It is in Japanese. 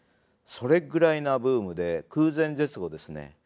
それぐらいなブームで空前絶後ですね。